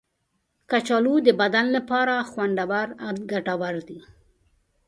کچالو د بدن لپاره خوندور او ګټور دی.